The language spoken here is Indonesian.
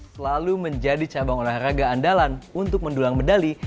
selalu menjadi cabang olahraga andalan untuk mendulang medali